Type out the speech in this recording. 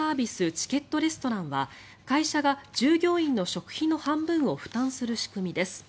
チケットレストランは会社が従業員の食費の半分を負担する仕組みです。